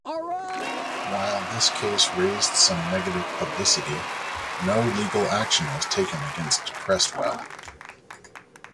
While this case raised some negative publicity, no legal action was taken against Cresswell.